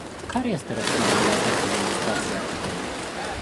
Care este răspunsul la această demonstrație a puterii?